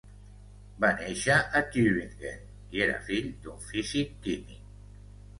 Va néixer a Tübingen i era fill d'un físic-químic.